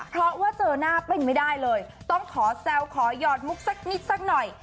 เพราะว่าเจอหน้าเป็นไม่ได้เลยต้องขอแซวขอหยอดมุกสักนิดสักหน่อย